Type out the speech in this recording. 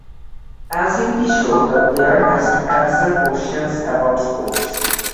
As in the show, the player has to answer questions about sports.